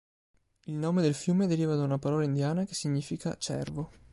Il nome del fiume deriva da una parola indiana che significa "cervo".